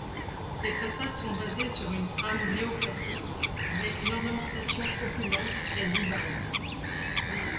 Ses façades sont basées sur une trame néoclassique, avec une ornementation opulente quasi-baroque.